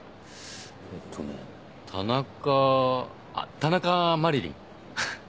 えっとね田中あっ田中麻理鈴。